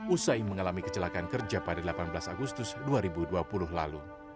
usai mengalami kecelakaan kerja pada delapan belas agustus dua ribu dua puluh lalu